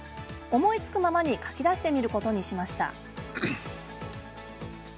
思いつくままに書き出してみることにしました。